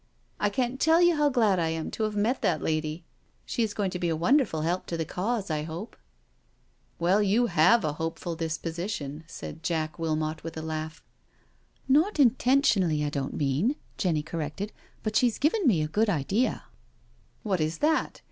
" I can't tell you how glad I am to have met that lady — she is going to be a wonderful help to the Cause, I hope." AT THE WEEK END COTTAGE 169 '' Well, you have a hopeful disposition/' said Jack Wilmot with a laugh. Not intentionally, I don't mean," Jenny corrected, '* but she's given me a good idea." " What is that?